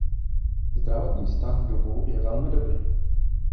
Zdravotní stav dubu je velmi dobrý.